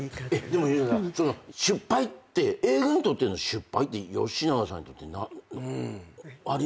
でも吉永さんその失敗って映画にとっての失敗って吉永さんにとってあります？